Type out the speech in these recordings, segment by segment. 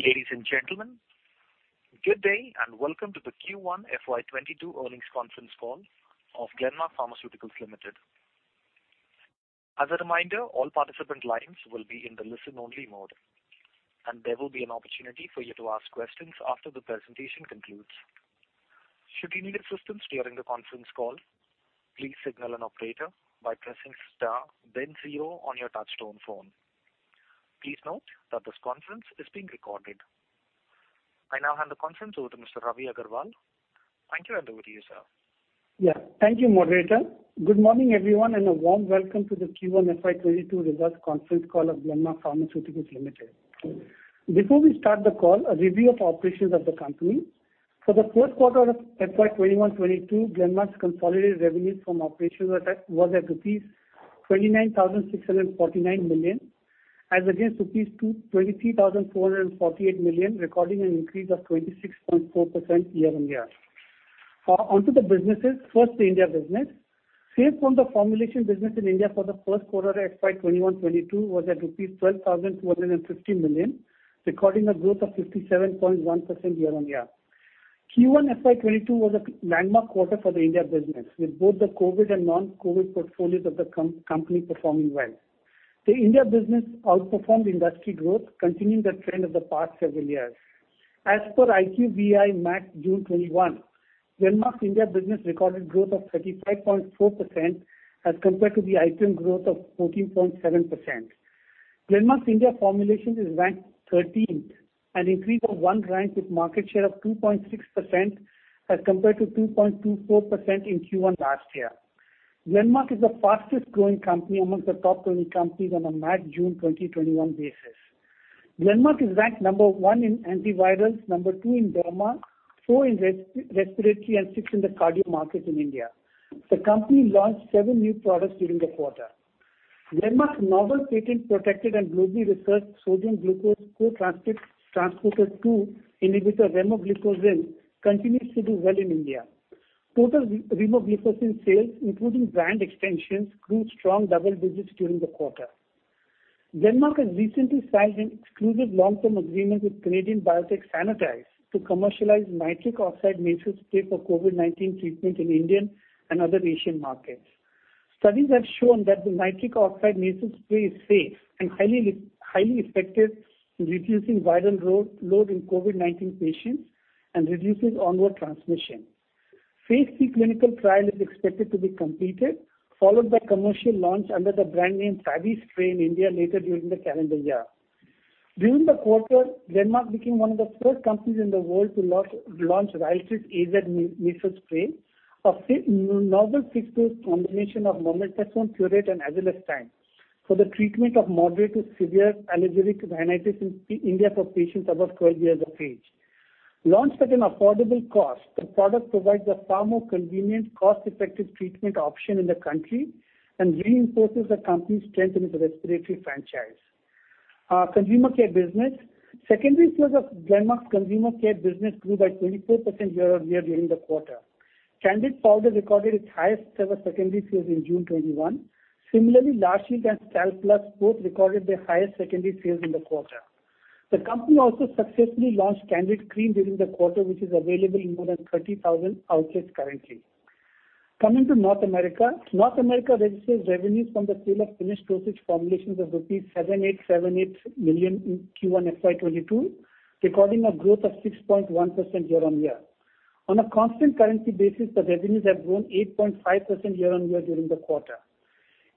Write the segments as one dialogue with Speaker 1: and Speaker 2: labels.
Speaker 1: Ladies and gentlemen, good day, welcome to the Q1 FY 2022 earnings conference call of Glenmark Pharmaceuticals Limited. As a reminder, all participant lines will be in the listen-only mode, and there will be an opportunity for you to ask questions after the presentation concludes. Should you need assistance during the conference call, please signal an operator by pressing star then zero on your touch-tone phone. Please note that this conference is being recorded. I now hand the conference over to Mr. Ravi Agarwal. Thank you, and over to you, sir.
Speaker 2: Thank you, moderator. Good morning, everyone, and a warm welcome to the Q1 FY 2022 results conference call of Glenmark Pharmaceuticals Limited. Before we start the call, a review of operations of the company. For the first quarter of FY 2021/2022, Glenmark's consolidated revenue from operations was at rupees 29,649 million, as against rupees 23,448 million, recording an increase of 26.4% year-on-year. On to the businesses, first the India business. Sales from the formulation business in India for the first quarter of FY 2021/2022 was at rupees 12,250 million, recording a growth of 57.1% year-on-year. Q1 FY 2022 was a landmark quarter for the India business, with both the COVID and non-COVID portfolios of the company performing well. The India business outperformed industry growth, continuing the trend of the past several years. As per IQVIA MAT June 21, Glenmark's India business recorded growth of 35.4% as compared to the industry growth of 14.7%. Glenmark's India formulations is ranked 13th, an increase of one rank with market share of 2.6% as compared to 2.24% in Q1 last year. Glenmark is the fastest-growing company amongst the top 20 companies on a MAT June 2021 basis. Glenmark is ranked number one in antivirals, number two in derma, four in respiratory, and six in the cardio market in India. The company launched seven new products during the quarter. Glenmark's novel patent-protected and globally researched sodium glucose co-transporter 2 inhibitor, remogliflozin, continues to do well in India. Total remogliflozin sales, including brand extensions, grew strong double digits during the quarter. Glenmark has recently signed an exclusive long-term agreement with Canadian biotech SaNOtize to commercialize nitric oxide nasal spray for COVID-19 treatment in India and other Asian markets. Studies have shown that the nitric oxide nasal spray is safe and highly effective in reducing viral load in COVID-19 patients and reduces onward transmission. phase III clinical trial is expected to be completed, followed by commercial launch under the brand name FabiSpray in India later during the calendar year. During the quarter, Glenmark became one of the first companies in the world to launch RYALTRIS-AZ nasal spray, a novel fixed-dose combination of mometasone furoate and azelastine for the treatment of moderate to severe allergic rhinitis in India for patients above 12 years of age. Launched at an affordable cost, the product provides a far more convenient, cost-effective treatment option in the country and reinforces the company's strength in its respiratory franchise. Our Consumer Care business. Secondary sales of Glenmark's Consumer Care business grew by 24% year-on-year during the quarter. Candid powder recorded its highest-ever secondary sales in June 2021. La Shield and Scalpe Plus both recorded their highest secondary sales in the quarter. The company also successfully launched CANDID CREAM during the quarter, which is available in more than 30,000 outlets currently. Coming to North America. North America registered revenues from the sale of finished dosage formulations of rupees 7,878 million in Q1 FY 2022, recording a growth of 6.1% year-on-year. On a constant currency basis, the revenues have grown 8.5% year-on-year during the quarter.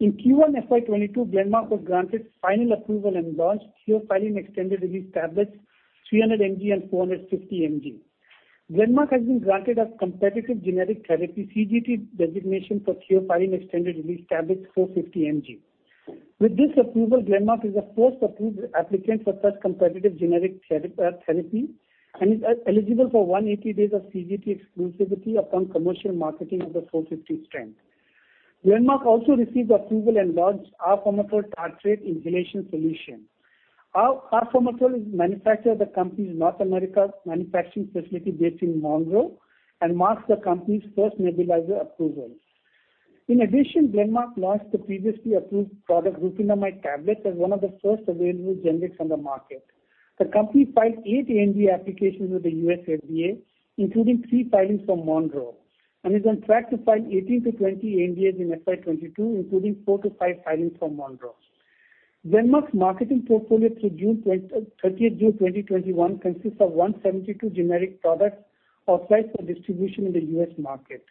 Speaker 2: In Q1 FY 2022, Glenmark was granted final approval and launched tiopronin extended release tablets, 300 mg and 450 mg. Glenmark has been granted a competitive generic therapy, CGT designation for tiopronin extended release tablets, 450 mg. With this approval, Glenmark is the first approved applicant for such competitive generic therapy and is eligible for 180 days of CGT exclusivity upon commercial marketing of the 450 strength. Glenmark also received approval and launched arformoterol Tartrate Inhalation Solution. Our arformoterol is manufactured at the company's North America manufacturing facility based in Monroe and marks the company's first nebulizer approval. In addition, Glenmark launched the previously approved product rufinamide tablets as one of the first available generics on the market. The company filed eight ANDA applications with the U.S. FDA, including three filings from Monroe, and is on track to file 18 to 20 ANDAs in FY 2022, including four to five filings from Monroe. Glenmark's marketing portfolio through 30th June 2021 consists of 172 generic products authorized for distribution in the U.S. market.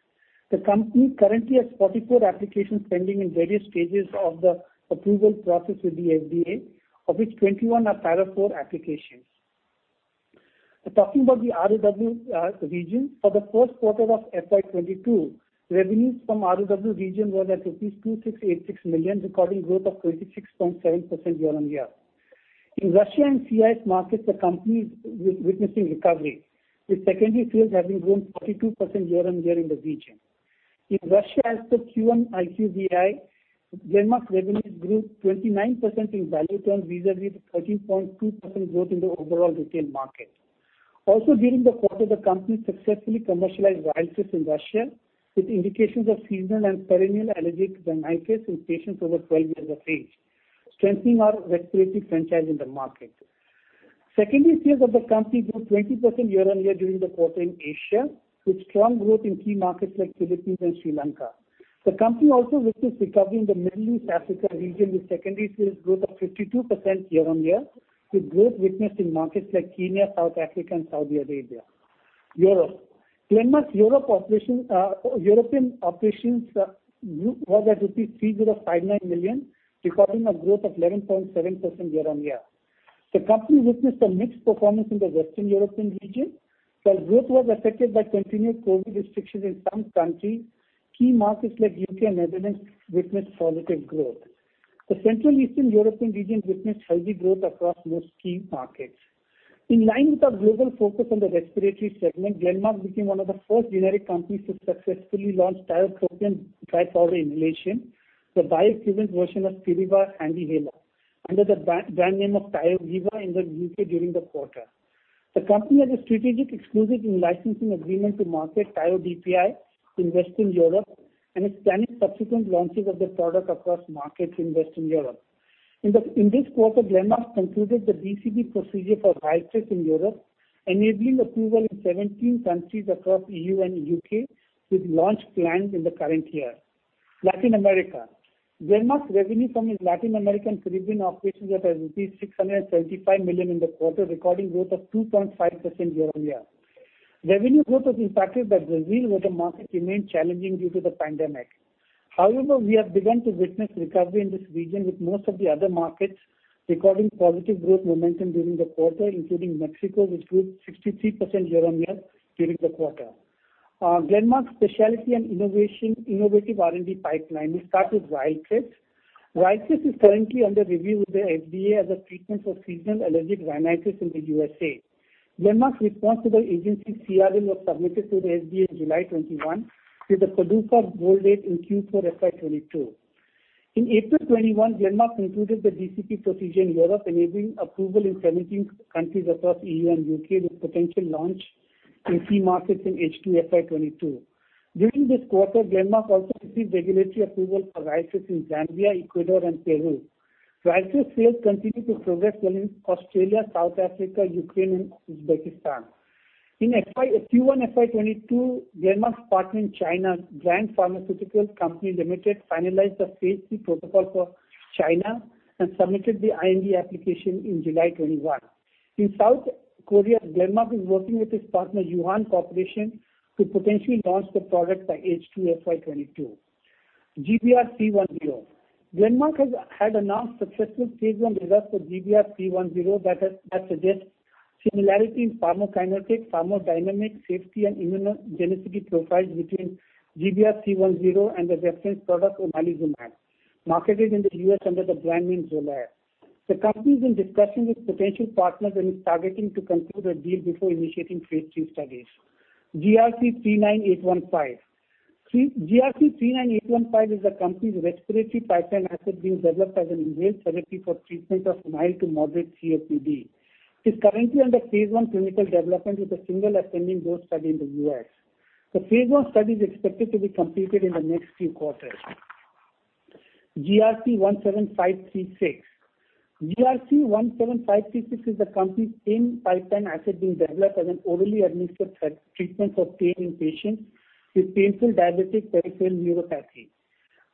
Speaker 2: The company currently has 44 applications pending in various stages of the approval process with the FDA, of which 21 are Paragraph IV applications. Talking about the ROW region. For the first quarter of FY 2022, revenues from ROW region were at 2,686 million, recording growth of 26.7% year-over-year. In Russia and CIS markets, the company is witnessing recovery, with secondary sales having grown 42% year-over-year in the region. In Russia, as per Q1 IQVIA, Glenmark's revenues grew 29% in value terms vis-à-vis the 13.2% growth in the overall retail market. During the quarter, the company successfully commercialized RYALTRIS in Russia with indications of seasonal and perennial allergic rhinitis in patients over 12 years of age, strengthening our respiratory franchise in the market. Secondary sales of the company grew 20% year-over-year during the quarter in Asia, with strong growth in key markets like Philippines and Sri Lanka. The company also witnessed recovery in the Middle East Africa region, with secondary sales growth of 52% year-on-year, with growth witnessed in markets like Kenya, South Africa, and Saudi Arabia. Europe. Glenmark's European operations grew, was at rupees 3,059 million, recording a growth of 11.7% year-on-year. The company witnessed a mixed performance in the Western European region where growth was affected by continued COVID restrictions in some countries, key markets like U.K. and Netherlands witnessed positive growth. The Central Eastern European region witnessed healthy growth across most key markets. In line with our global focus on the respiratory segment, Glenmark became one of the first generic companies to successfully launch tiotropium dry powder inhalation, the bioequivalent version of Spiriva HandiHaler, under the brand name of Tiogiva in the U.K. during the quarter. The company has a strategic exclusive licensing agreement to market Tio DPI in Western Europe and is planning subsequent launches of the product across markets in Western Europe. In this quarter, Glenmark concluded the DCP procedure for RYALTRIS in Europe, enabling approval in 17 countries across E.U. and U.K. with launch planned in the current year. Latin America. Glenmark's revenue from its Latin American Caribbean operations was at rupees 675 million in the quarter, recording growth of 2.5% year-on-year. Revenue growth was impacted by Brazil where the market remained challenging due to the pandemic. We have begun to witness recovery in this region, with most of the other markets recording positive growth momentum during the quarter, including Mexico, which grew 63% year-on-year during the quarter. Glenmark's specialty and innovative R&D pipeline. We start with RYALTRIS. RYALTRIS is currently under review with the FDA as a treatment for seasonal allergic rhinitis in the U.S.A. Glenmark's response to the agency's CRL was submitted to the FDA on July 21 with a PDUFA goal date in Q4 FY 2022. In April 21, Glenmark concluded the DCP procedure in Europe, enabling approval in 17 countries across EU and U.K., with potential launch in key markets in H2 FY 2022. During this quarter, Glenmark also received regulatory approval for RYALTRIS in Zambia, Ecuador and Peru. RYALTRIS sales continue to progress well in Australia, South Africa, Ukraine, and Uzbekistan. In Q1 FY 2022, Glenmark's partner in China, Grand Pharmaceutical Company Limited, finalized the phase II protocol for China and submitted the IND application in July 21. In South Korea, Glenmark is working with its partner Yuhan Corporation to potentially launch the product by H2 FY 2022. GBR 310. Glenmark had announced successful phase I results for GBR 310 that suggest similarity in pharmacokinetic, thermodynamic, safety, and immunogenicity profiles between GBR 310 and the reference product omalizumab, marketed in the U.S. under the brand name XOLAIR. The company is in discussion with potential partners and is targeting to conclude a deal before initiating phase III studies. GRC 39815. GRC 39815 is the company's respiratory pipeline asset being developed as an inhaled therapy for treatment of mild to moderate COPD. It's currently under phase I clinical development with a single ascending dose study in the U.S. The phase I study is expected to be completed in the next few quarters. GRC 17536. GRC 17536 is the company's same pipeline asset being developed as an orally administered treatment for pain in patients with painful diabetic peripheral neuropathy.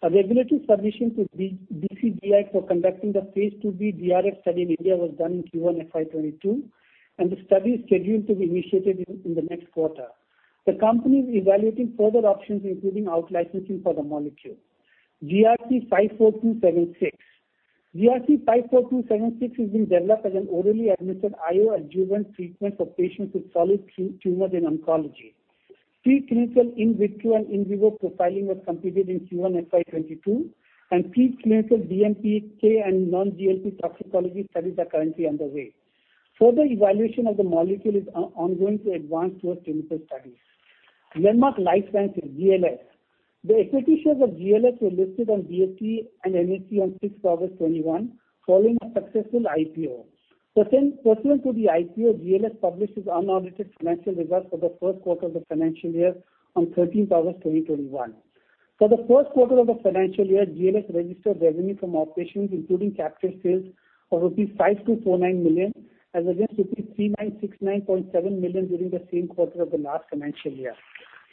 Speaker 2: A regulatory submission to DCGI for conducting the phase II-B GRF study in India was done in Q1 FY 2022, the study is scheduled to be initiated in the next quarter. The company is evaluating further options, including out licensing for the molecule. GRC 54276. GRC 54276 is being developed as an orally administered IO adjuvant treatment for patients with solid tumors in oncology. Preclinical in vitro and in vivo profiling was completed in Q1 FY 2022 and preclinical DMPK and non-GLP toxicology studies are currently underway. Further evaluation of the molecule is ongoing to advance towards clinical studies. Glenmark Life Sciences, GLS. The equity shares of GLS were listed on BSE and NSE on 6th August 2021 following a successful IPO. Pursuant to the IPO, GLS published its unaudited financial results for the first quarter of the financial year on 13th August 2021. For the first quarter of the financial year, GLS registered revenue from operations, including captive sales of rupees 5,249 million, as against rupees 3,969.7 million during the same quarter of the last financial year,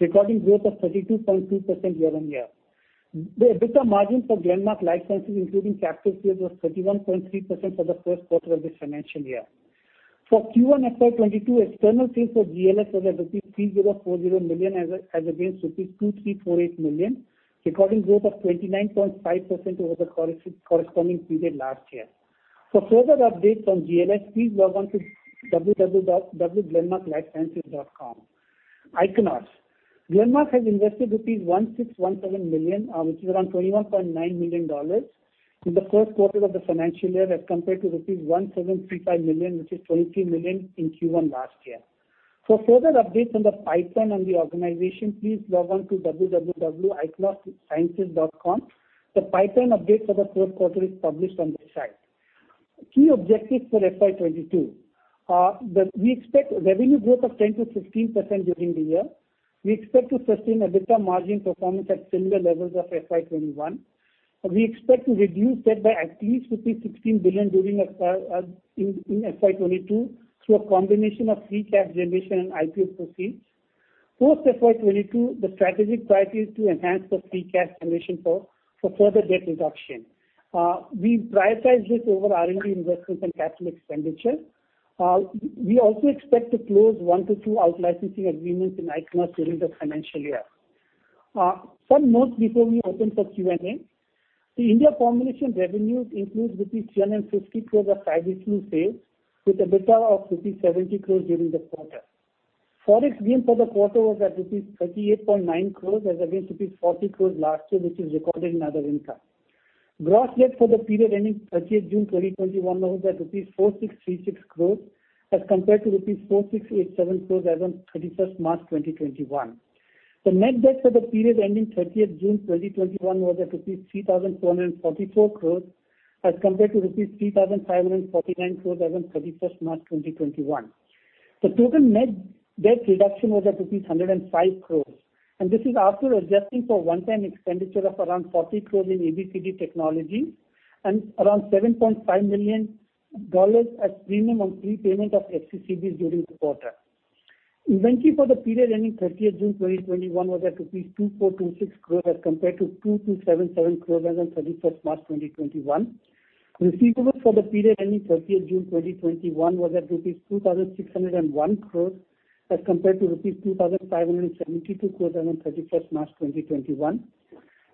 Speaker 2: recording growth of 32.2% year-on-year. The EBITDA margin for Glenmark Life Sciences, including captive sales, was 31.3% for the first quarter of this financial year. For Q1 FY 2022, external sales for GLS was at rupees 3,040 million as against rupees 2,348 million, recording growth of 29.5% over the corresponding period last year. For further updates on GLS, please log on to www.glenmarklifesciences.com. Ichnos. Glenmark has invested rupees 1,617 million, which is around $21.9 million in the first quarter of the financial year as compared to rupees 1,735 million, which is $23 million in Q1 last year. For further updates on the pipeline and the organization, please log on to www.ichnosciences.com. The pipeline update for the third quarter is published on this slide. Key objectives for FY 2022 are: We expect revenue growth of 10%-15% during the year. We expect to sustain EBITDA margin performance at similar levels of FY 2021. We expect to reduce debt by at least 16 billion during FY 2022 through a combination of free cash generation and IPO proceeds. Post FY 2022, the strategic priority is to enhance the free cash generation for further debt reduction. We prioritize this over R&D investments and Capital Expenditure. We also expect to close one to two out-licensing agreements in Ichnos during the financial year. Some notes before we open for Q&A. The India combination revenues include 350 crore of FabiFlu sales with EBITDA of 70 crores during the quarter. Forex gain for the quarter was at 38.9 crore as against 40 crore last year, which is recorded in other income. Gross debt for the period ending 30th June 2021 now is at rupees 4,636 crore as compared to rupees 4,687 crore as on 31st March 2021. The net debt for the period ending 30th June 2021 was at rupees 3,444 crore as compared to rupees 3,549 crores as on 31st March 2021. The total net debt reduction was at rupees 105 crore, and this is after adjusting for one-time expenditure of around 40 crore in ABCD technology and around $7.5 million as premium on prepayment of FCCBs during the quarter. Inventory for the period ending 30th June 2021 was at rupees 2,426 crore as compared to 2,277 crore as on 31st March 2021. Receivables for the period ending 30th June 2021 was at INR. 2,601 crore as compared to rupees 2,572 crore as on 31st March 2021.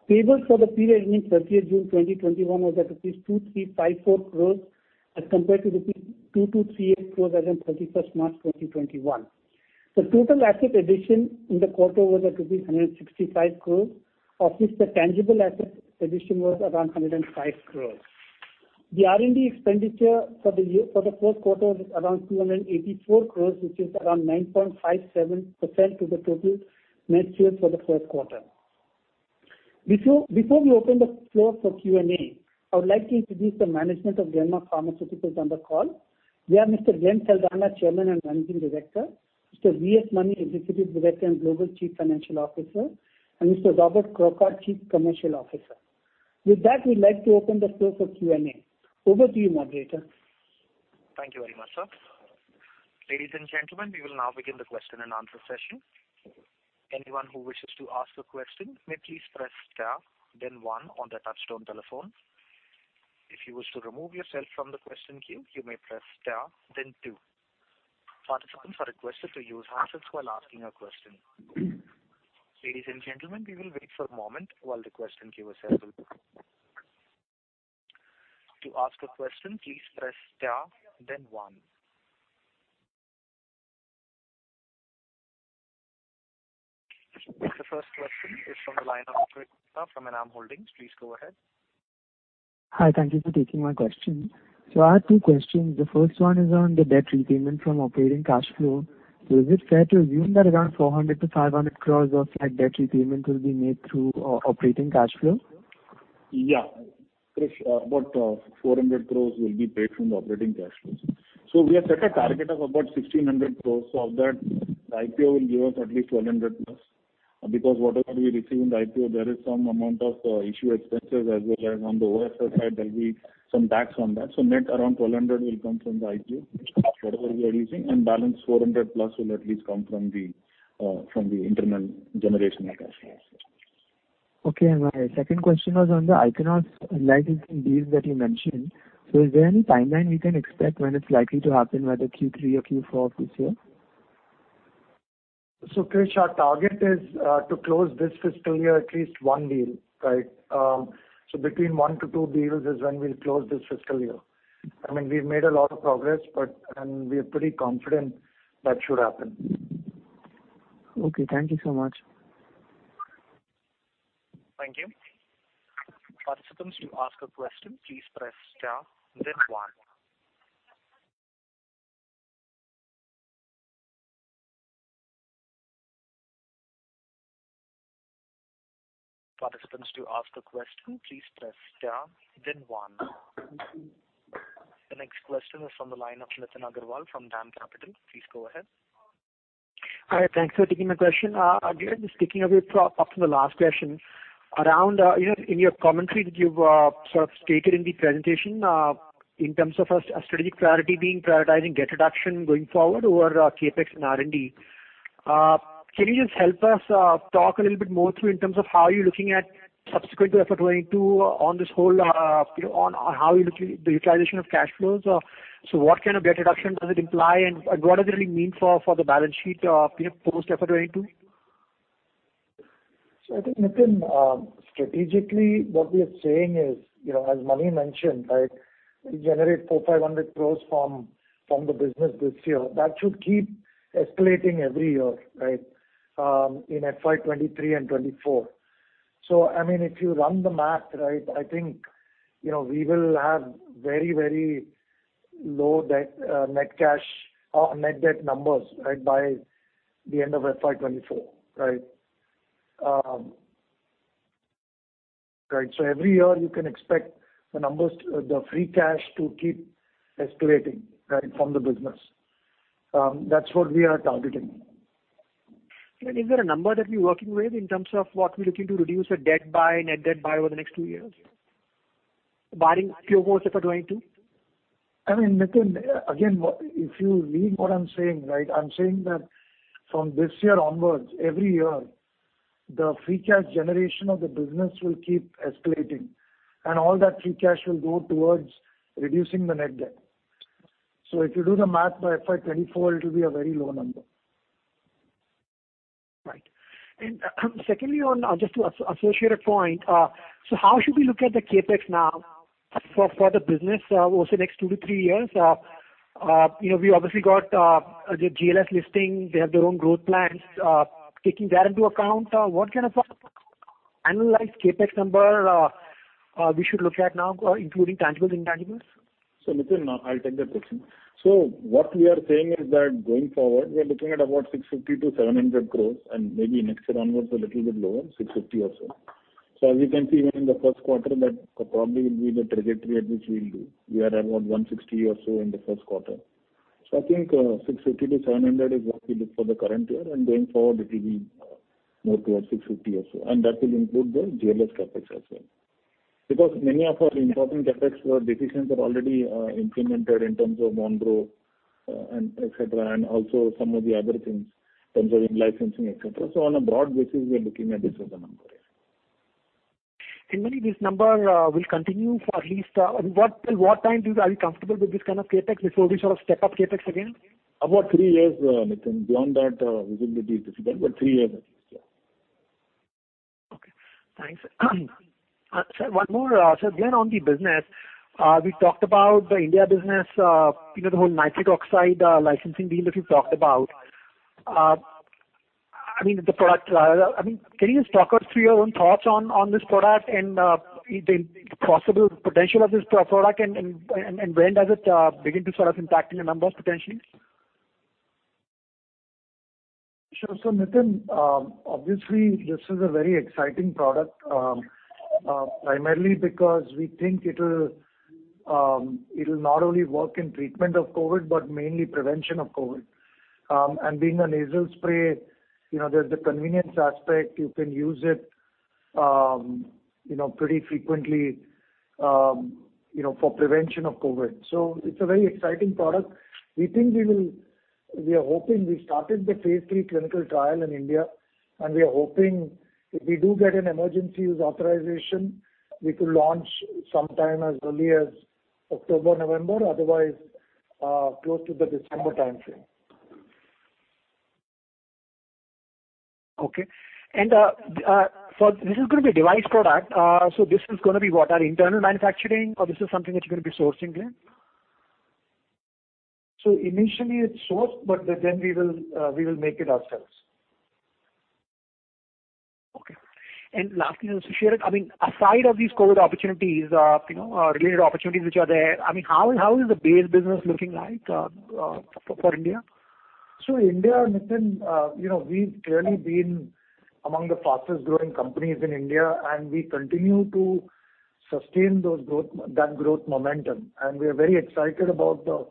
Speaker 2: Payables for the period ending 30th June 2021 was at rupees 2,354 crore as compared to rupees 2,238 crore as on 31st March 2021. The total asset addition in the quarter was at rupees 165 crore, of which the tangible asset addition was around 105 crore. The R&D expenditure for the first quarter was around 284 crore, which is around 9.57% of the total net sales for the first quarter. Before we open the floor for Q&A, I would like to introduce the management of Glenmark Pharmaceuticals on the call. We have Mr. Glenn Saldanha, Chairman and Managing Director, Mr. V.S. Mani, Executive Director and Global Chief Financial Officer, and Mr. Robert Crockart, Chief Commercial Officer. With that, we'd like to open the floor for Q&A. Over to you, moderator.
Speaker 1: Thank you very much, sir. Ladies and gentlemen, we will now begin the question and answer session. Anyone who wishes to ask a question may please press star then one on the touchtone telephone. If you wish to remove yourself from the question queue, you may press star then two. Participants are requested to use handset while asking a question. Ladies and gentlemen, we will wait for a moment while the question queue is settled. To ask a question, please press star then one. The first question is from the line of Krish Mehta from Enam Holdings. Please go ahead.
Speaker 3: Hi. Thank you for taking my question. I have two questions. The first one is on the debt repayment from operating cash flow. Is it fair to assume that around 400 crore-500 crore of that debt repayment will be made through operating cash flow?
Speaker 4: Yeah. About 400 crores will be paid from the operating cash flows. We have set a target of about 1,600 crore, so of that, the IPO will give us at least 1,200+. Because whatever we receive in the IPO, there is some amount of issue expenses as well as on the OFS side, there'll be some tax on that. Net around 1,200 will come from the IPO, whatever we are using, and balance 400+ will at least come from the internal generation of cash flows.
Speaker 3: Okay. My second question was on the Ichnos licensing deals that you mentioned. Is there any timeline we can expect when it's likely to happen, whether Q3 or Q4 of this year?
Speaker 5: Krish, our target is to close this fiscal year at least one deal. Between one to two deals is when we'll close this fiscal year. I mean, we've made a lot of progress, and we are pretty confident that should happen.
Speaker 3: Okay. Thank you so much.
Speaker 1: Thank you. The next question is from the line of Nitin Agarwal from DAM Capital. Please go ahead.
Speaker 6: Hi. Thanks for taking my question. Again, just picking up from the last question, in your commentary that you've sort of stated in the presentation in terms of a strategic priority being prioritizing debt reduction going forward over CapEx and R&D. Can you just help us talk a little bit more through in terms of how you're looking at subsequent to FY 2022 on the utilization of cash flows? What kind of debt reduction does it imply, and what does it really mean for the balance sheet post FY 2022?
Speaker 5: I think, Nitin, strategically, what we are saying is, as Mani mentioned, we generate 400-500 crore from the business this year. That should keep escalating every year in FY 2023 and 2024. I mean, if you run the math, I think we wlll have very low net cash or net debt numbers by the end of FY 2024. Every year you can expect the free cash to keep escalating from the business. That's what we are targeting.
Speaker 6: Is there a number that we're working with in terms of what we're looking to reduce our net debt by over the next two years, barring Q4 FY 2022?
Speaker 5: Nitin, again, if you read what I'm saying. I am saying that from this year onwards, every year, the free cash generation of the business will keep escalating, and all that free cash will go towards reducing the net debt. If you do the math by FY 2024, it will be a very low number.
Speaker 6: Right. Secondly, on just associated point, how should we look at the CapEx now for the business over the next two to three years? We obviously got the GLS listing. They have their own growth plans. Taking that into account, what kind of annualized CapEx number we should look at now, including tangibles and intangibles?
Speaker 4: Nitin, I'll take that question. What we are saying is that going forward, we are looking at about 650 crore to 700 crore, and maybe next year onwards, a little bit lower, 650 crore or so. As you can see, even in the first quarter, that probably will be the trajectory at which we'll do. We are about 160 crore or so in the first quarter. I think 650 crore to 700 crore is what we look for the current year, and going forward, it will be more towards 650 crore or so. That will include the GLS CapEx as well. Because many of our important CapEx decisions are already implemented in terms of Monroe, et cetera, and also some of the other things, in terms of in-licensing, et cetera. On a broad basis, we are looking at this as a number, yeah.
Speaker 6: When this number will continue for at least Till what time are you comfortable with this kind of CapEx before we sort of step up CapEx again?
Speaker 4: About three years, Nitin. Beyond that, visibility is difficult, but three years at least, yeah.
Speaker 6: Okay, thanks. Sir, one more. Again on the business, we talked about the India business, the whole nitric oxide licensing deal that you talked about. Can you just talk us through your own thoughts on this product and the possible potential of this product? When does it begin to sort of impact in the numbers, potentially?
Speaker 5: Sure. Nitin, obviously this is a very exciting product, primarily because we think it'll not only work in treatment of COVID, but mainly prevention of COVID. Being a nasal spray, there's the convenience aspect. You can use it pretty frequently for prevention of COVID. It's a very exciting product. We started the phase III clinical trial in India. We are hoping if we do get an emergency use authorization, we could launch sometime as early as October, November, otherwise, close to the December timeframe.
Speaker 6: Okay. This is going to be a device product. This is going to be what? An internal manufacturing or this is something that you're going to be sourcing, Glenn?
Speaker 5: Initially it's sourced, but then we will make it ourselves.
Speaker 6: Okay. Lastly, associated, aside of these COVID opportunities, related opportunities which are there, how is the base business looking like for India?
Speaker 5: India, Nitin, we've clearly been among the fastest-growing companies in India, and we continue to sustain that growth momentum, and we are very excited about the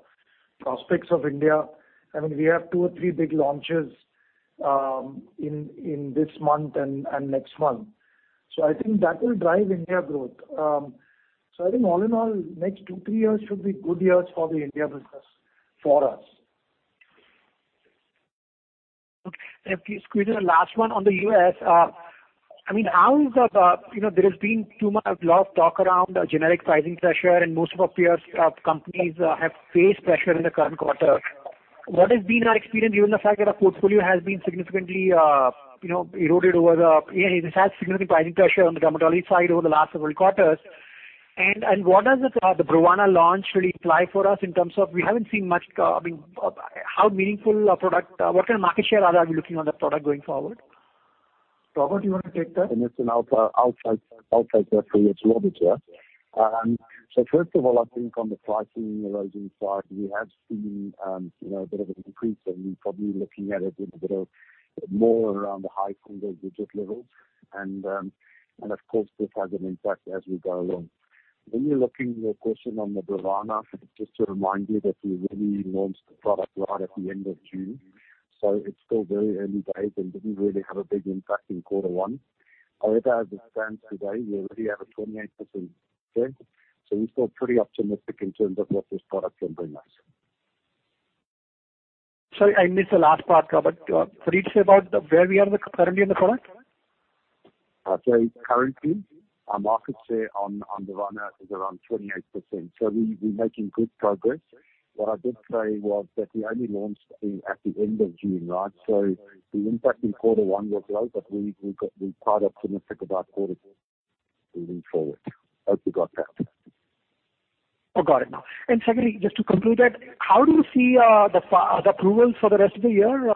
Speaker 5: prospects of India. We have two or three big launches in this month and next month. I think that will drive India growth. I think all in all, next two, three years should be good years for the India business for us.
Speaker 6: Okay. If you could, the last one on the U.S. There has been a lot of talk around generic pricing pressure, most of our peers companies have faced pressure in the current quarter. What has been our experience, given the fact that our portfolio has been significantly eroded over the. This has significant pricing pressure on the dermatology side over the last several quarters. What does the BROVANA launch really imply for us in terms of we haven't seen much? What kind of market share are we looking on that product going forward?
Speaker 5: Robert, you want to take that?
Speaker 7: Nitin, I'll take that for you. It's Robert here. First of all, I think, on the pricing erosion side, we have seen a bit of an increase and probably looking at it a little bit of more around the high single-digit levels. Of course, this has an impact as we go along. When you're looking your question on the BROVANA, just to remind you that we really launched the product right at the end of June. It's still very early days and didn't really have a big impact in Q1. However, as it stands today, we already have a 28% share. We're still pretty optimistic in terms of what this product can bring us.
Speaker 6: Sorry, I missed the last part, Robert. Could you say about where we are currently in the product?
Speaker 7: Currently, our market share on BROVANA is around 28%. We're making good progress. What I did say was that we only launched the thing at the end of June. The impact in Q1 was low, but the product should affect about Q4 moving forward. Hope you got that.
Speaker 6: Oh, got it now. Secondly, just to conclude that, how do you see the approvals for the rest of the year?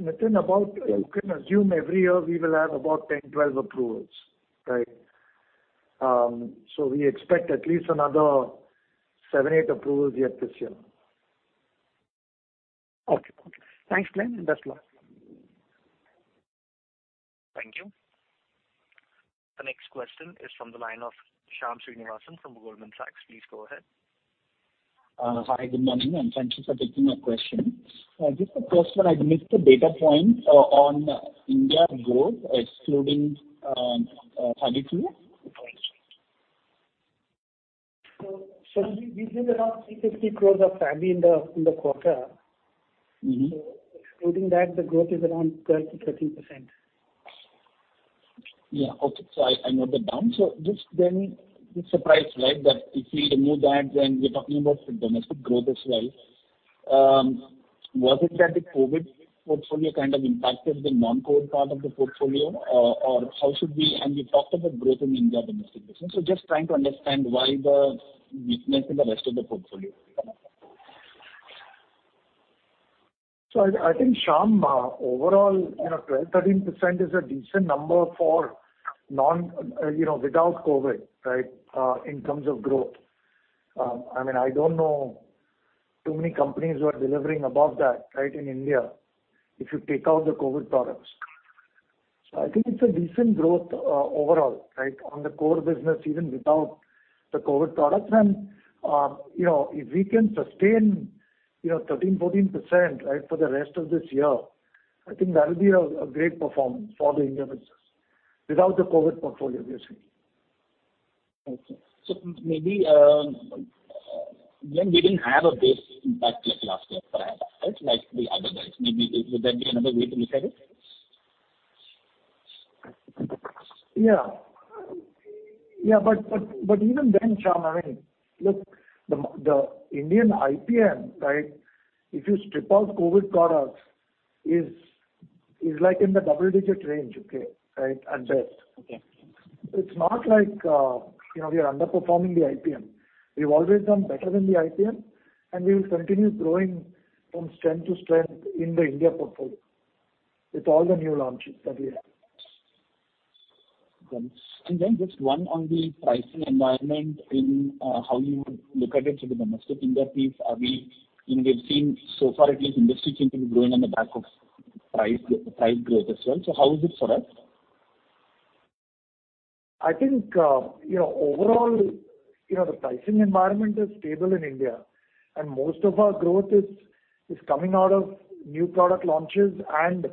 Speaker 5: Within about, you can assume every year we will have about 10, 12 approvals. We expect at least another seven, eight approvals yet this year.
Speaker 6: Okay. Thanks, Glenn. Best luck.
Speaker 1: Thank you. The next question is from the line of Shyam Srinivasan from Goldman Sachs. Please go ahead.
Speaker 8: Hi, good morning, and thank you for taking my question. Just a question, I missed the data point on India growth excluding FabiFlu.
Speaker 5: We did around 350 crore of FabiFlu in the quarter. Excluding that, the growth is around 12%-13%.
Speaker 8: Yeah. Okay. I know the down. Just then it's surprise, that if we remove that, then we're talking about the domestic growth as well. Was it that the COVID portfolio kind of impacted the non-COVID part of the portfolio. You talked about growth in India domestic business. Just trying to understand why the weakness in the rest of the portfolio.
Speaker 5: I think, Shyam, overall, 12%-13% is a decent number without COVID in terms of growth. I don't know too many companies who are delivering above that in India, if you take out the COVID products. I think it's a decent growth overall on the core business, even without the COVID products. If we can sustain 13%-14% for the rest of this year, I think that will be a great performance for the India business. Without the COVID portfolio, obviously.
Speaker 8: Okay. Maybe, Glenn, we didn't have a base impact like last year, perhaps, like the other guys. Would that be another way to look at it?
Speaker 5: Yeah. Even then, Shyam, look, the Indian IPM, if you strip out COVID products, is in the double-digit range at best.
Speaker 8: Okay.
Speaker 5: It's not like we are underperforming the IPM. We've always done better than the IPM. We will continue growing from strength to strength in the India portfolio with all the new launches that we have.
Speaker 8: Just one on the pricing environment in how you look at it for the domestic India piece. We've seen so far at least industry seems to be growing on the back of price growth as well. How is it for us?
Speaker 5: I think, overall, the pricing environment is stable in India, and most of our growth is coming out of new product launches and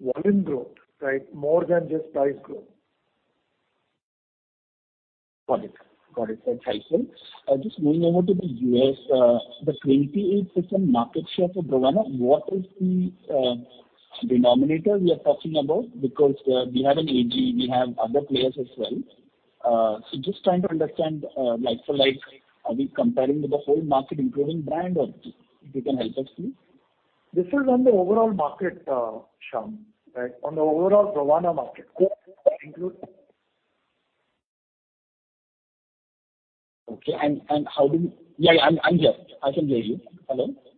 Speaker 5: volume growth more than just price growth.
Speaker 8: Got it. Thanks. Just moving over to the U.S. The 28% market share for BROVANA, what is the denominator we are talking about? We have an AG, we have other players as well. Just trying to understand like for like, are we comparing with the whole market including brand or if you can help us, please.
Speaker 5: This is on the overall market, Shyam. On the overall BROVANA market.
Speaker 8: Okay. Yeah, I'm here. I can hear you. Hello.
Speaker 5: Yeah.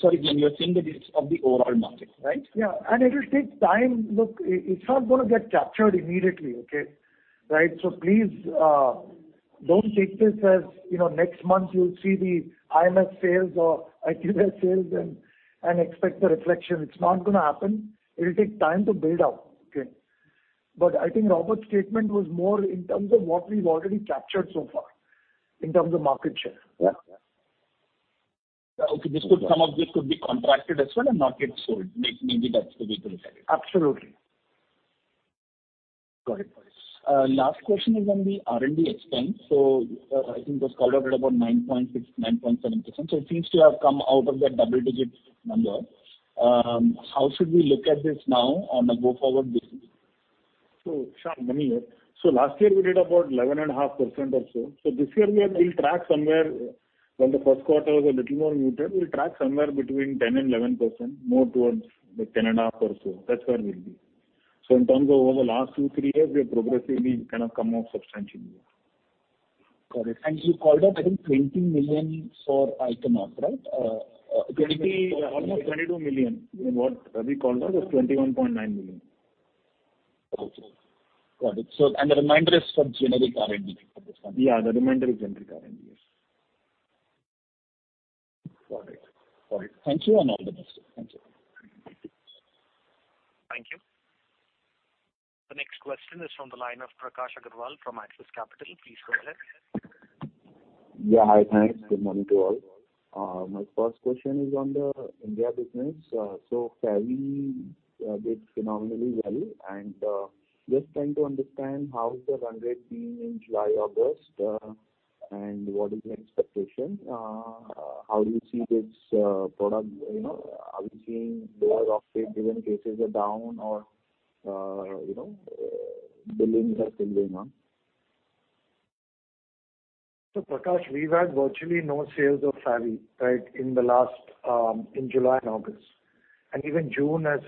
Speaker 8: Sorry, Glenn, you're saying that it's of the overall market, right?
Speaker 5: Yeah. It will take time. Look, it's not going to get captured immediately, okay. Please don't take this as next month you'll see the IMS sales or IQVIA sales and expect a reflection. It's not going to happen. It'll take time to build out. I think Robert's statement was more in terms of what we've already captured so far, in terms of market share.
Speaker 8: Okay. Some of this could be contracted as well and not yet sold. Maybe that's the way to look at it.
Speaker 5: Absolutely.
Speaker 8: Got it. Last question is on the R&D expense. I think it was called out at about 9.6%, 9.7%. It seems to have come out of that double-digit number. How should we look at this now on a go-forward basis?
Speaker 4: Shyam, coming here. Last year we did about 11.5% or so. This year we'll track somewhere, when the first quarter was a little more muted, we'll track somewhere between 10%-11%, more towards the 10.5% or so. That's where we'll be. In terms of over the last two, three years, we have progressively kind of come out substantially.
Speaker 8: Got it. You called out, I think $20 million for Ichnos, right?
Speaker 4: Almost $22 million. What Ravi called out was $21.9 million.
Speaker 8: Okay. Got it. The remainder is for generic R&D for this one?
Speaker 4: Yeah, the remainder is generic R&D.
Speaker 8: Got it. Thank you, and all the best. Thank you.
Speaker 1: Thank you. The next question is from the line of Prakash Agarwal from Axis Capital. Please go ahead.
Speaker 9: Yeah. Hi, thanks. Good morning to all. My first question is on the India business. FabiFlu did phenomenally well, and just trying to understand how is the run rate being in July, August, and what is the expectation. How do you see this product, are we seeing lower off-label cases are down or billings are still going on?
Speaker 5: Prakash, we've had virtually no sales of FabiFlu in July and August. Even June has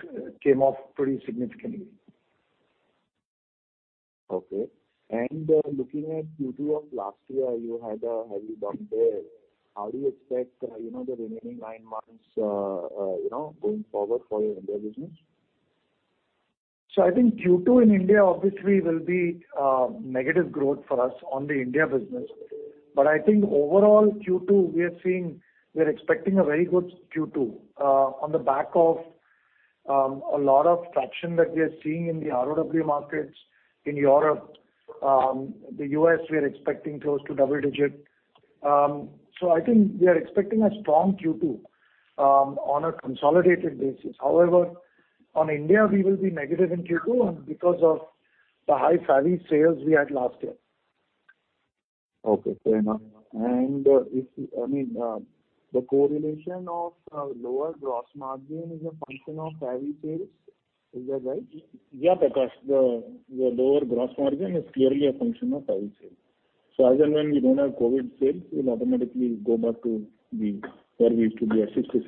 Speaker 5: came off pretty significantly.
Speaker 9: Okay. Looking at Q2 of last year, you had a heavy bump there. How do you expect the remaining nine months going forward for your India business?
Speaker 5: I think Q2 in India obviously will be negative growth for us on the India business. I think overall Q2, we're expecting a very good Q2 on the back of a lot of traction that we are seeing in the ROW markets. In Europe, the U.S., we are expecting close to double digit. I think we are expecting a strong Q2 on a consolidated basis. However, on India, we will be negative in Q2 because of the high FabiFlu sales we had last year.
Speaker 9: Okay, fair enough. The correlation of lower gross margin is a function of FabiFlu sales. Is that right?
Speaker 4: Yeah, Prakash. The lower gross margin is clearly a function of FabiFlu sales. As and when we don't have COVID sales, we'll automatically go back to where we used to be at 66,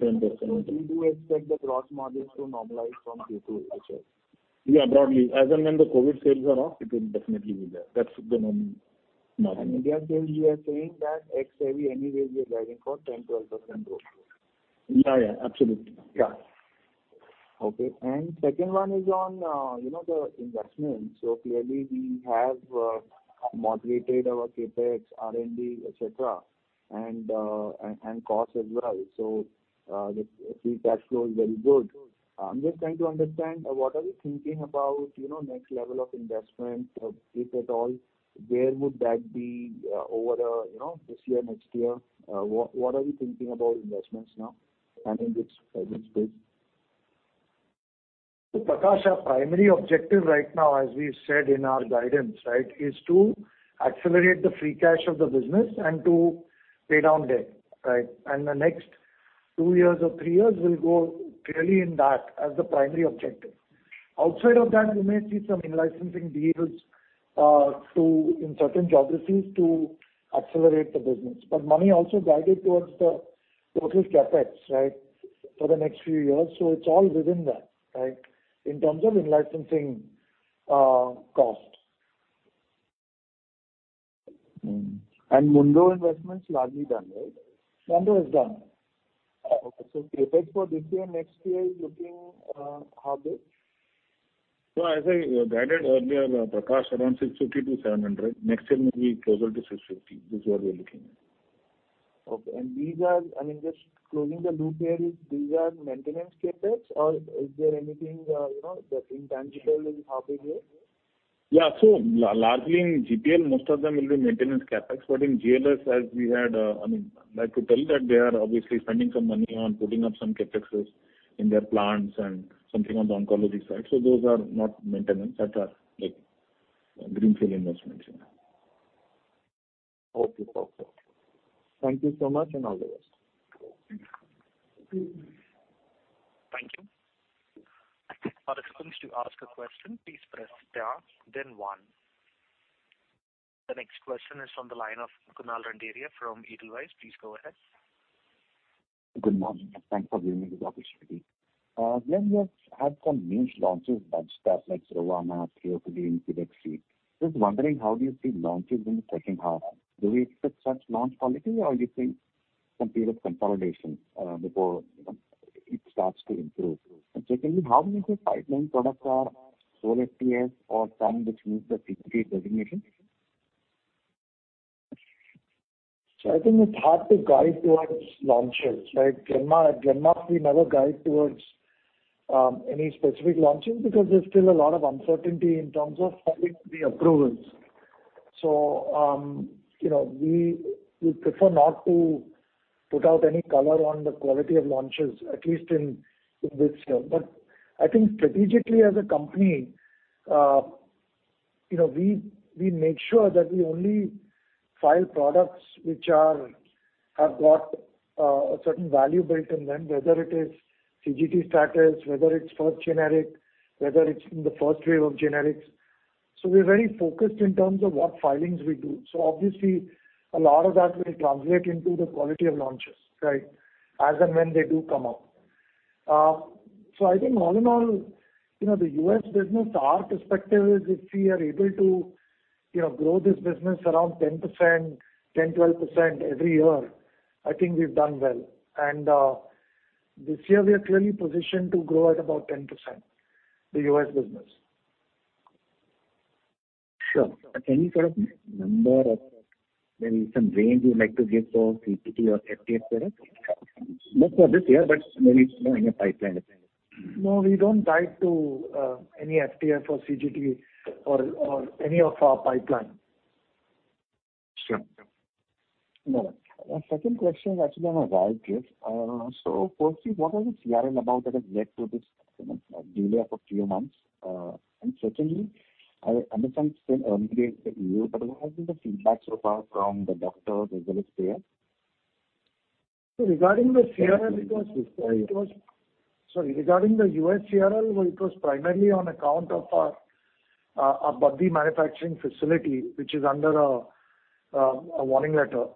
Speaker 4: 67%.
Speaker 9: Do you expect the gross margins to normalize from Q2 itself?
Speaker 4: Broadly, as and when the COVID sales are off, it will definitely be there. That's the normal margin.
Speaker 9: India sales, you are saying that ex FabiFlu anyway you're guiding for 10%-12% growth?
Speaker 4: Yeah, absolutely.
Speaker 9: Yeah. Okay. Second one is on the investments. Clearly we have moderated our CapEx, R&D, et cetera, and costs as well. The free cash flow is very good. I'm just trying to understand what are we thinking about next level of investment, if at all? Where would that be over this year, next year? What are we thinking about investments now and in which space?
Speaker 5: Prakash, our primary objective right now, as we've said in our guidance, is to accelerate the free cash of the business and to pay down debt. The next two years or three years will go clearly in that as the primary objective. Mani also guided towards the total CapEx for the next few years. It's all within that in terms of in-licensing cost.
Speaker 9: Monroe investments largely done, right?
Speaker 5: Monroe is done.
Speaker 9: Okay. CapEx for this year, next year is looking how big?
Speaker 4: As I guided earlier, Prakash, around 650-700. Next year may be closer to 650. This is what we're looking at.
Speaker 9: Okay. These are, just closing the loop here, these are maintenance CapEx or is there anything that's intangible? Is how big here?
Speaker 4: Largely in GPL, most of them will be maintenance CapEx. In GLS, as we had, I mean, like to tell that they are obviously spending some money on putting up some CapExes in their plants and something on the oncology side. Those are not maintenance. That are greenfield investments.
Speaker 9: Okay. Thank you so much. All the best.
Speaker 4: Thank you.
Speaker 1: Thank you. For participants to ask a question, please press star then one. The next question is from the line of Kunal Randeria from Edelweiss. Please go ahead.
Speaker 10: Good morning, and thanks for giving me this opportunity. Glenmark had some huge launches, products like Brovana, theophylline CDAC-C. Just wondering, how do you see launches in the second half? Do we expect such launch quality or you think some period of consolidation before it starts to improve? Secondly, how many of your pipeline products are oral FTF or something which needs the CGT designation?
Speaker 5: I think it's hard to guide towards launches, right? At Glenmark, we never guide towards any specific launches because there's still a lot of uncertainty in terms of filing the approvals. We prefer not to put out any color on the quality of launches, at least in this term. I think strategically as a company, we make sure that we only file products which have got a certain value built in them, whether it is CGT status, whether it's first generic, whether it's in the first wave of generics. We're very focused in terms of what filings we do. Obviously, a lot of that will translate into the quality of launches as and when they do come out. I think all in all, the U.S. business, our perspective is if we are able to grow this business around 10%-12% every year, I think we've done well. This year we are clearly positioned to grow at about 10%, the U.S. business.
Speaker 10: Sure. Any sort of number or maybe some range you would like to give for CGT or FTF products, not for this year, but maybe in your pipeline?
Speaker 5: No, we don't guide to any FTF or CGT or any of our pipeline.
Speaker 10: Sure. No. My second question is actually on Baddi. Firstly, what was the CRL about that has led to this delay of a few months? Secondly, I understand it's an early stage review, but what has been the feedback so far from the doctors as well as payers?
Speaker 5: Regarding the U.S. CRL, it was primarily on account of our Baddi manufacturing facility, which is under a warning letter.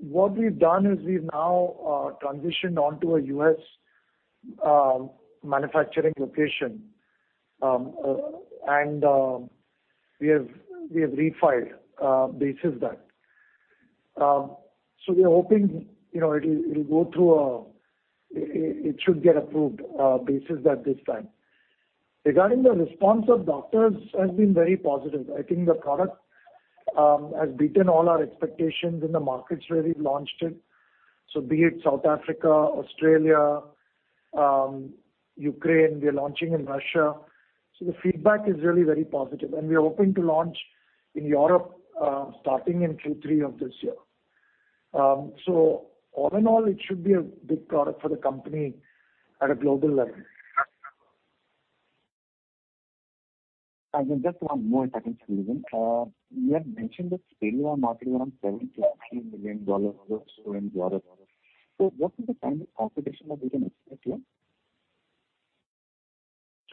Speaker 5: What we've done is we've now transitioned onto a U.S. manufacturing location, and we have refiled basis that. We are hoping it should get approved basis that this time. Regarding the response of doctors has been very positive. I think the product has beaten all our expectations in the markets where we've launched it. Be it South Africa, Australia, Ukraine, we are launching in Russia. The feedback is really very positive. We are hoping to launch in Europe, starting in Q3 of this year. All in all, it should be a big product for the company at a global level.
Speaker 10: Just one more if I can slip in. You had mentioned the Spiriva market around $750 million or so in Europe. What is the kind of competition that we can expect here?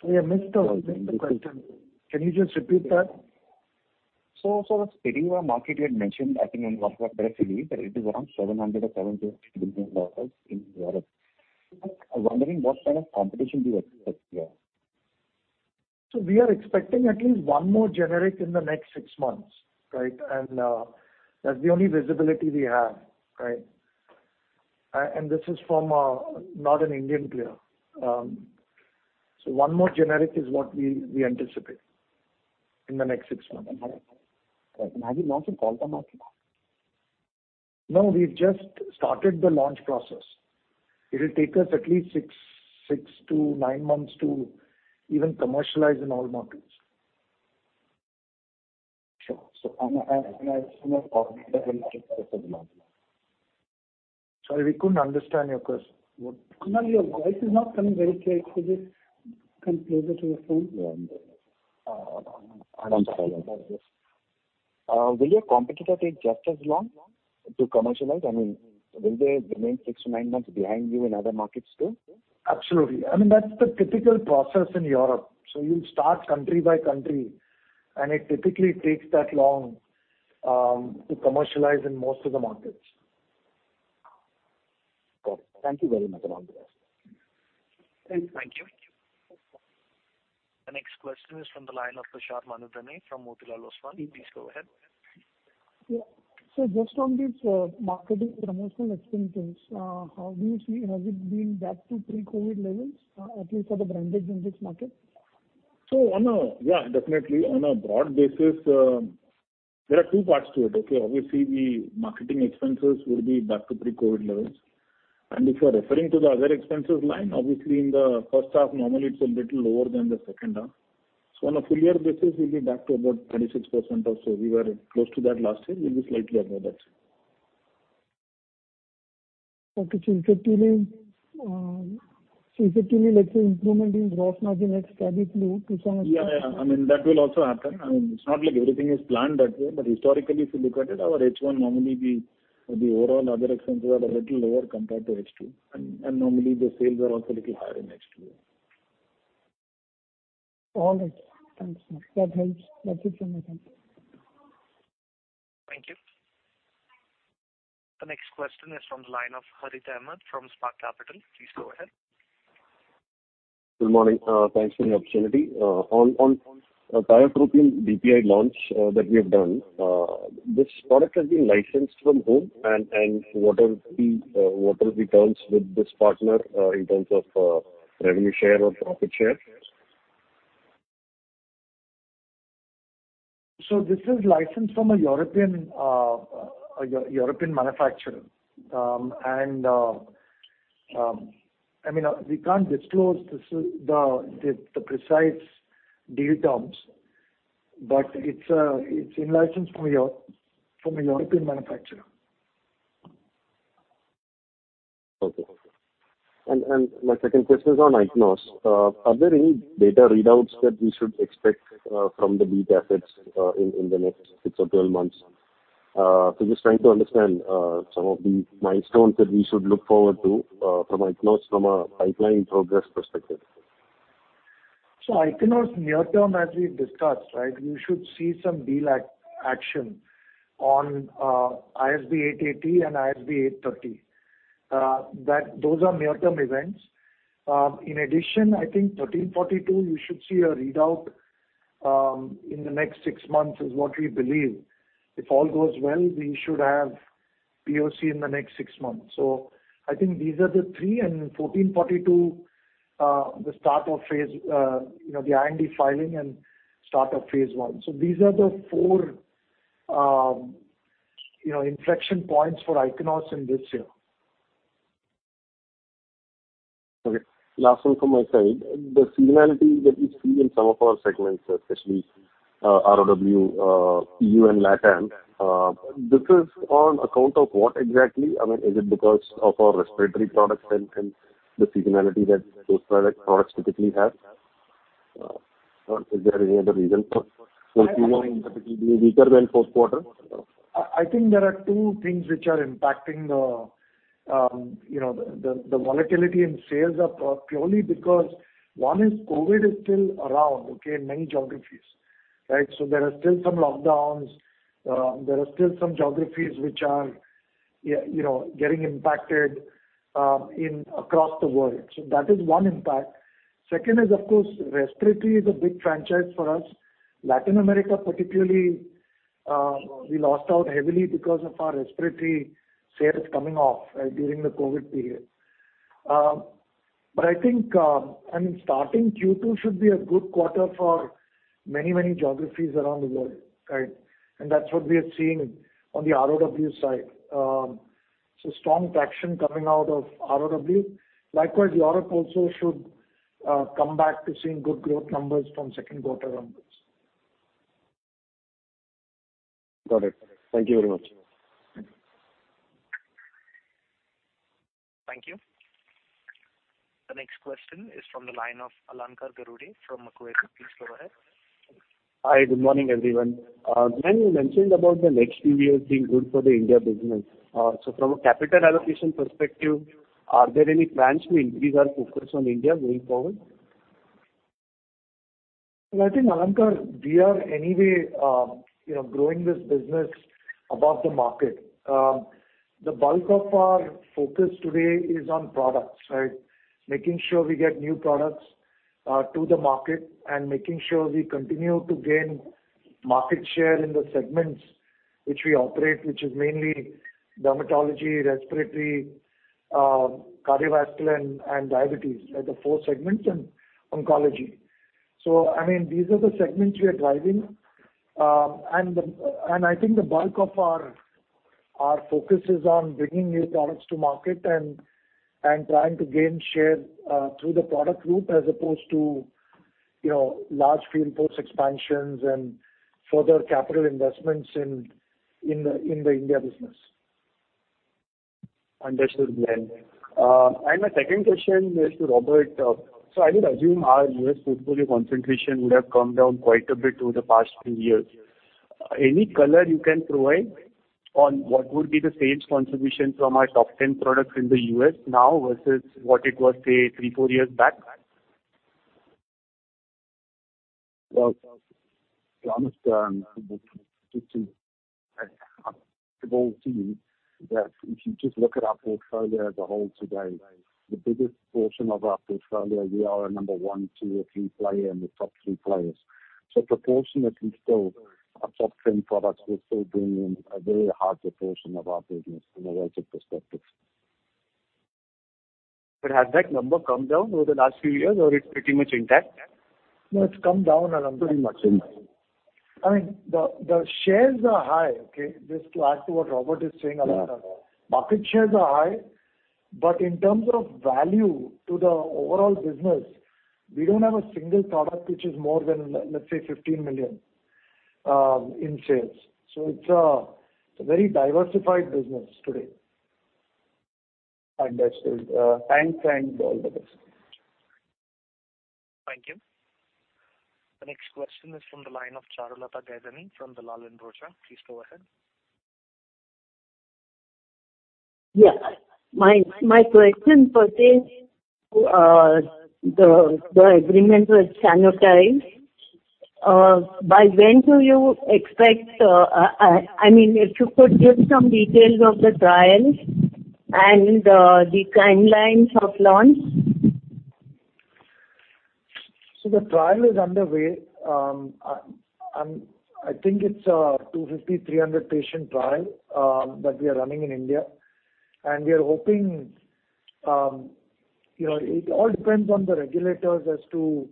Speaker 5: Sorry, I missed the question. Can you just repeat that?
Speaker 10: The SPIRIVA market you had mentioned, I think in one of our presentations, that it is around $700 million or $750 million in Europe. I'm wondering what kind of competition do you expect here?
Speaker 5: We are expecting at least one more generic in the next six months. Right? That's the only visibility we have. Right? This is from not an Indian player. One more generic is what we anticipate in the next six months.
Speaker 10: Have you launched in all the markets?
Speaker 5: We've just started the launch process. It'll take us at least six to nine months to even commercialize in all markets.
Speaker 10: Sure.
Speaker 5: Sorry, we couldn't understand your question. No, your voice is not coming very clear. Could you come closer to your phone?
Speaker 10: Yeah, I'm sorry about this. Will your competitor take just as long to commercialize? I mean, will they remain six to nine months behind you in other markets too?
Speaker 5: Absolutely. I mean, that's the typical process in Europe. You'll start country by country, and it typically takes that long to commercialize in most of the markets.
Speaker 10: Got it. Thank you very much.
Speaker 5: Thanks.
Speaker 1: Thank you. The next question is from the line of Tushar Manudhane from Motilal Oswal. Please go ahead.
Speaker 11: Yeah. Just on these marketing promotional expenses, how do you see, has it been back to pre-COVID levels, at least for the branded generics market?
Speaker 4: Yeah, definitely. On a broad basis, there are two parts to it. Okay? Obviously, the marketing expenses will be back to pre-COVID levels. If you're referring to the other expenses line, obviously in the first half, normally it's a little lower than the second half. On a full year basis, we'll be back to about 36% or so. We were close to that last year. We'll be slightly above that.
Speaker 11: Okay. Effectively, let's say improvement in gross margin at steady flow to some extent.
Speaker 4: Yeah. That will also happen. I mean, it's not like everything is planned that way, but historically, if you look at it, our H1 normally the overall other expenses are a little lower compared to H2. Normally the sales are also a little higher in H2.
Speaker 11: All right. Thanks. That helps. That's it from my end.
Speaker 1: Thank you. The next question is from the line of Harith Ahamed from Spark Capital. Please go ahead.
Speaker 12: Good morning. Thanks for the opportunity. On tiotropium API launch that we have done, this product has been licensed from whom? What are the terms with this partner, in terms of revenue share or profit share?
Speaker 5: This is licensed from a European manufacturer. We can't disclose the precise deal terms, but it's in license from a European manufacturer.
Speaker 12: Okay. My second question is on Ichnos. Are there any data readouts that we should expect from the lead assets in the next six or 12 months? Just trying to understand some of the milestones that we should look forward to from Ichnos from a pipeline progress perspective.
Speaker 5: Ichnos near term as we've discussed. You should see some deal action on ISB 880 and ISB 830. Those are near-term events. In addition, I think ISB 1342, you should see a readout in the next six months, is what we believe. If all goes well, we should have POC in the next six months. I think these are the three, and ISB 1442, the IND filing and start of phase I. These are the four inflection points for Ichnos in this year.
Speaker 12: Okay. Last one from my side. The seasonality that we see in some of our segments, especially ROW, EU, and LatAm, this is on account of what exactly? I mean, is it because of our respiratory products and the seasonality that those products typically have? Is there any other reason for Q1 typically being weaker than fourth quarter?
Speaker 5: I think there are two things which are impacting the. The volatility in sales are purely because one is COVID is still around in many geographies. There are still some lockdowns, there are still some geographies which are getting impacted across the world. That is one impact. Second is, of course, respiratory is a big franchise for us. Latin America particularly, we lost out heavily because of our respiratory sales coming off during the COVID period. I think starting Q2 should be a good quarter for many, many geographies around the world. That's what we are seeing on the ROW side. Strong traction coming out of ROW. Likewise, Europe also should come back to seeing good growth numbers from second quarter onwards.
Speaker 12: Got it. Thank you very much.
Speaker 1: Thank you. The next question is from the line of Alankar Garude from Macquarie. Please go ahead.
Speaker 13: Hi, good morning, everyone. Glenn, you mentioned about the next few years being good for the India business. From a capital allocation perspective, are there any plans to increase our focus on India going forward?
Speaker 5: I think, Alankar, we are anyway growing this business above the market. The bulk of our focus today is on products. Making sure we get new products to the market and making sure we continue to gain market share in the segments which we operate, which is mainly dermatology, respiratory, cardiovascular, and diabetes, the four segments, and oncology. These are the segments we are driving. I think the bulk of our focus is on bringing new products to market and trying to gain share through the product route as opposed to large field force expansions and further capital investments in the India business.
Speaker 13: Understood, Glenn. My second question is to Robert. I would assume our U.S. portfolio concentration would have come down quite a bit over the past few years. Any color you can provide on what would be the sales contribution from our top 10 products in the U.S. now versus what it was, say, three, four years back?
Speaker 7: Well, Alankar, that if you just look at our portfolio as a whole today, the biggest portion of our portfolio, we are a number one, two or three player in the top three players. Proportionately, our top 10 products would still bring in a very high proportion of our business from a relative perspective.
Speaker 13: Has that number come down over the last few years, or it's pretty much intact?
Speaker 7: No, it's come down Alankar.
Speaker 5: Pretty much. The shares are high. Just to add to what Robert is saying, Alankar. Market shares are high, but in terms of value to the overall business, we don't have a single product which is more than, let's say, 15 million in sales. It's a very diversified business today.
Speaker 13: Understood. Thanks, and all the best.
Speaker 1: Thank you. The next question is from the line of Charulata Gaidhani from Dalal & Broacha. Please go ahead.
Speaker 14: Yes. My question pertains to the agreement with SaNOtize. If you could give some details of the trials and the timelines of launch.
Speaker 5: The trial is underway. I think it's a 250, 300-patient trial that we are running in India. It all depends on the regulators as to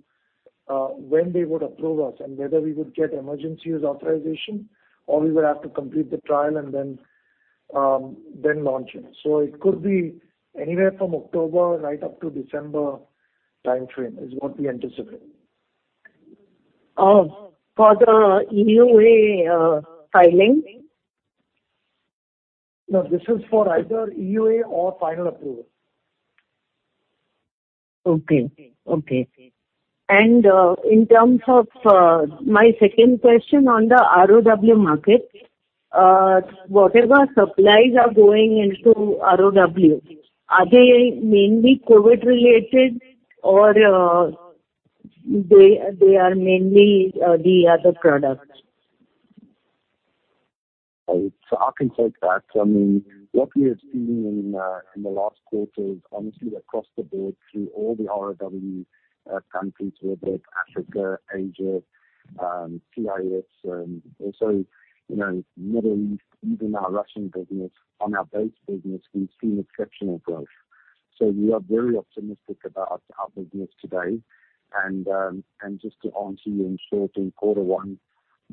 Speaker 5: when they would approve us and whether we would get emergency use authorization, or we would have to complete the trial and then launch it. It could be anywhere from October right up to December timeframe, is what we anticipate.
Speaker 14: For the EUA filing?
Speaker 5: No, this is for either EUA or final approval.
Speaker 14: Okay. In terms of my second question on the ROW market, whatever supplies are going into ROW, are they mainly COVID related or they are mainly the other products?
Speaker 7: I can take that. What we have seen in the last quarter is honestly across the board through all the ROW countries, whether it's Africa, Asia, CIS, and also Middle East, even our Russian business on our base business, we've seen exceptional growth. Just to answer you in short, in quarter one,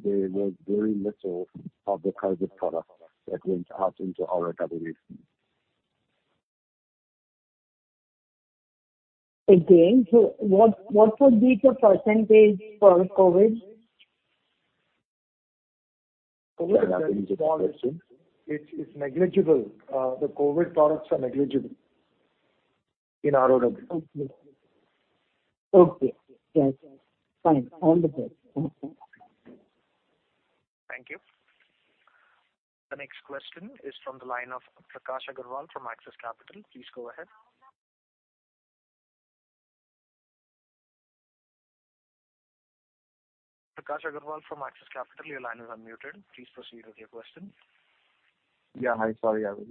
Speaker 7: there was very little of the COVID product that went out into ROW.
Speaker 14: Again, what would be the percentage for COVID?
Speaker 5: It's negligible. The COVID products are negligible in ROW.
Speaker 14: Okay. That's fine. All the best.
Speaker 1: The next question is from the line of Prakash Agarwal from Axis Capital. Please go ahead. Prakash Agarwal from Axis Capital, your line is unmuted. Please proceed with your question.
Speaker 9: Yeah. Hi. Sorry, I was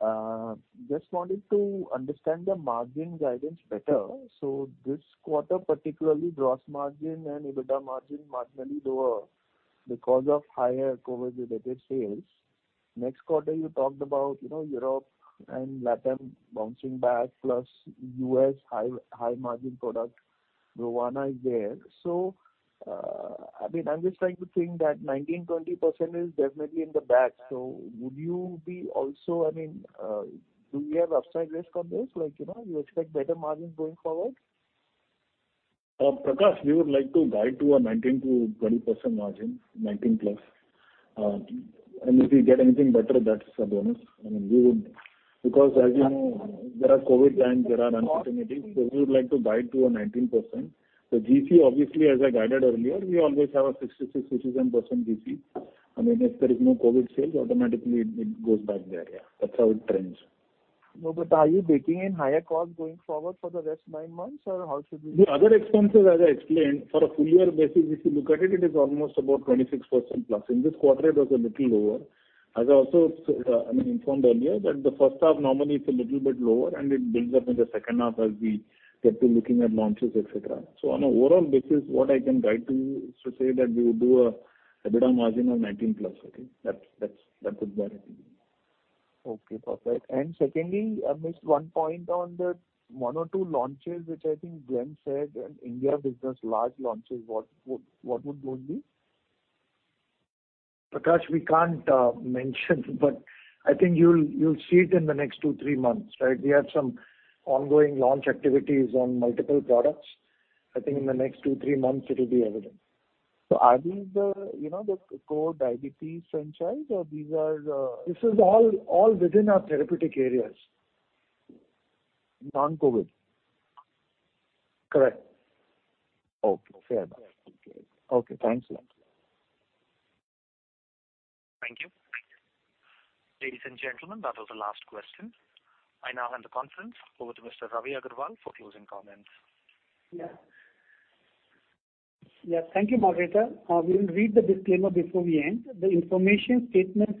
Speaker 9: on mute. Just wanted to understand the margin guidance better. This quarter, particularly gross margin and EBITDA margin marginally lower because of higher COVID-related sales. Next quarter, you talked about Europe and LatAm bouncing back, plus U.S. high margin product, Luana is there. I'm just trying to think that 19%-20% is definitely in the bag. Do we have upside risk on this? Do you expect better margins going forward?
Speaker 4: Prakash, we would like to guide to a 19%-20% margin, 19%+. If we get anything better, that's a bonus. As you know, there are COVID times, there are uncertainties, we would like to guide to a 19%. GC, obviously, as I guided earlier, we always have a 66%-67% GC. If there is no COVID sales, automatically it goes back there, yeah. That's how it trends.
Speaker 9: No, but are you baking in higher cost going forward for the rest nine months, or how should we-?
Speaker 4: The other expenses, as I explained, for a full year basis, if you look at it is almost about 26%+. In this quarter, it was a little lower. As I also informed earlier, that the first half normally is a little bit lower, and it builds up in the second half as we get to looking at launches, et cetera. On an overall basis, what I can guide to you is to say that we would do a EBITDA margin of 19+. That's the clarity.
Speaker 9: Okay. Perfect. Secondly, I missed one point on the one or two launches, which I think Glenn said, and India business large launches. What would those be?
Speaker 5: Prakash, we can't mention, I think you'll see it in the next two, three months, right? We have some ongoing launch activities on multiple products. I think in the next two, three months it'll be evident.
Speaker 9: Are these the core diabetes franchise or these are?
Speaker 5: This is all within our therapeutic areas.
Speaker 9: Non-COVID?
Speaker 5: Correct.
Speaker 9: Okay. Fair enough. Okay. Thanks a lot.
Speaker 1: Thank you. Ladies and gentlemen, that was the last question. I now hand the conference over to Mr. Ravi Agarwal for closing comments.
Speaker 2: Yeah. Thank you, Margarita. We will read the disclaimer before we end. The information, statements,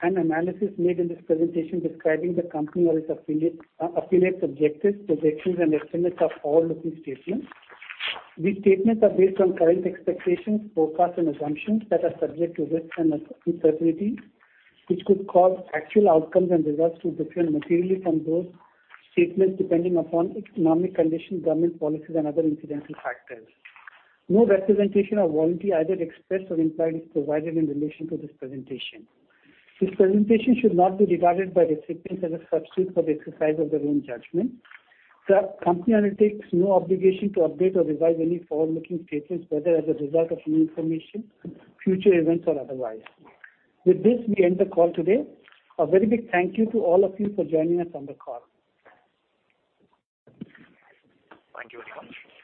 Speaker 2: and analysis made in this presentation describing the company or its affiliates' objectives, projections, and estimates are forward-looking statements. These statements are based on current expectations, forecasts, and assumptions that are subject to risks and uncertainties, which could cause actual outcomes and results to differ materially from those statements depending upon economic conditions, government policies, and other incidental factors. No representation or warranty, either expressed or implied, is provided in relation to this presentation. This presentation should not be regarded by recipients as a substitute for the exercise of their own judgment. The company undertakes no obligation to update or revise any forward-looking statements, whether as a result of new information, future events, or otherwise. With this, we end the call today. A very big thank you to all of you for joining us on the call.
Speaker 1: Thank you very much.